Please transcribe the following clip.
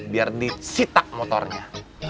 biar disita motornya